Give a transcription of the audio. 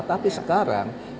tapi sekarang kita sudah sadar